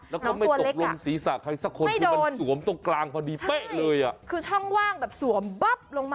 น้องตัวเล็กอ่ะไม่โดน